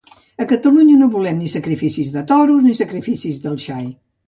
A Catalunya no volem ni sacrificis de toros ni sacrificis del xai